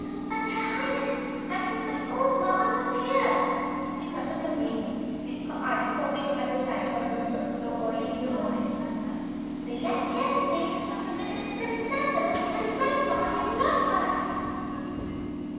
"But Her Highness and Princess Ozma are not here!" stuttered the maid, her eyes popping at sight of visitors so early in the morning. "They left yesterday to visit Prince Tatters and Grampa in Ragbad!"